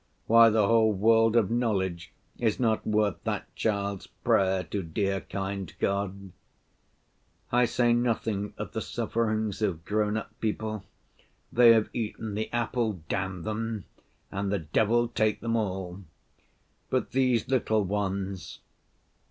Why, the whole world of knowledge is not worth that child's prayer to 'dear, kind God'! I say nothing of the sufferings of grown‐up people, they have eaten the apple, damn them, and the devil take them all! But these little ones!